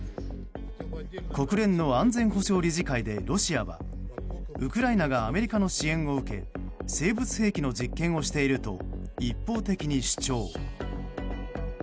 国連の安全保障理事会でロシアはウクライナがアメリカの支援を受け生物兵器の実験をしていると一方的に主張。